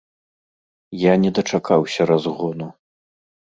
Я не дачакаўся разгону.